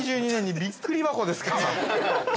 ◆２０２２年にびっくり箱ですか。